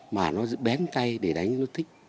mà nó bém tay để đánh nó thích